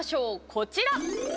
こちら。